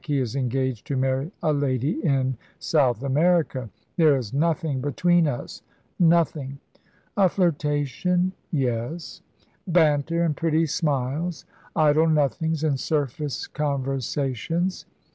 He is engaged to marry a lady in South America. There is nothing between us nothing. A flirtation, yes; banter and pretty smiles, idle nothings and surface conversations."